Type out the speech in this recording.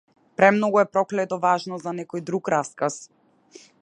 Премногу е проклето важно за некој друг расказ.